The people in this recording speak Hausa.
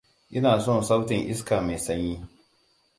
Ina son sautin iska mai sanyi.